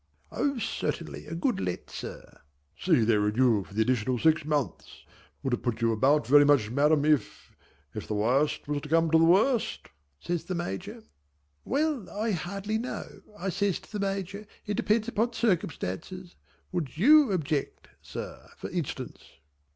"O certainly a Good Let sir." "Say they renew for the additional six months. Would it put you about very much Madam if if the worst was to come to the worst?" said the Major. "Well I hardly know," I says to the Major. "It depends upon circumstances. Would you object Sir for instance?"